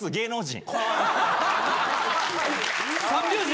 三拍子。